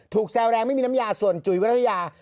แซวแรงไม่มีน้ำยาส่วนจุ๋ยวรัฐยา